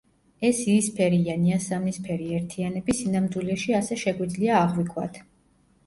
ეს იისფერი ან იასამნისფერი ერთიანები სინამდვილეში ასე შეგვიძლია აღვიქვათ.